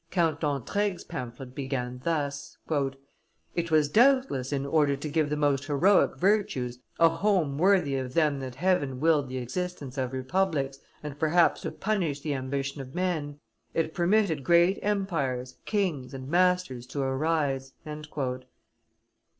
_ Count d'Entraigues' pamphlet began thus: "It was doubtless in order to give the most heroic virtues a home worthy of them that heaven willed the existence of republics, and, perhaps to punish the ambition of men, it permitted great empires, kings, and masters to arise."